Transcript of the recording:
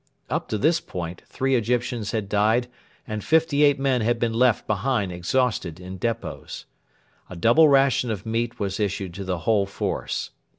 Up to this point three Egyptians had died and fifty eight men had been left behind exhausted in depots. A double ration of meat was issued to the whole force.